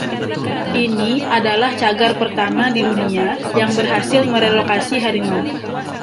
Ini adalah cagar pertama di dunia yang berhasil merelokasi harimau.